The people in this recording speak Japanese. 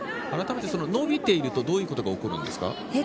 伸びていると、どういうことが起きるんですか？